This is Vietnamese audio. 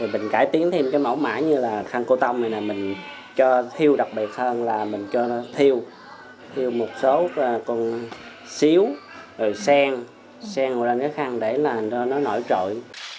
mình cải tiến thêm cái mẫu mã như là khăn cô tông này này mình cho thiêu đặc biệt hơn là mình cho nó thiêu thiêu một số con xíu rồi sen sen vào lên cái khăn để là nó nổi trội